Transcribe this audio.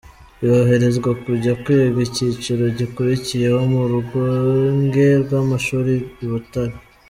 Yoherezwa kujya kwiga icyiciro gikurikiyeho mu rwunge rw’amashuri i Butare.